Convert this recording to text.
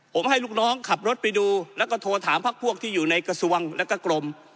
ผมให้ลูกน้องขับรถไปดูแล้วก็โทรถามภาคพวกที่อยู่ในกัสวงส์และกับกรม